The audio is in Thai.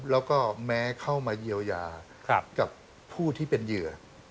แล้วก็แม้เข้ามาเยียวยากับผู้ที่เป็นเหยื่อ